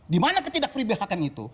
di mana ketidakpribilhakan itu